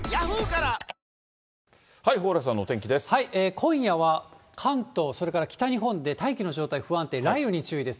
今夜は関東、それから北日本で大気の状態不安定、雷雨に注意です。